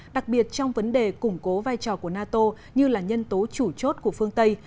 đặc biệt trong vấn đề củng cố vai trò của nato như là nhân tố chủ chốt của phương tây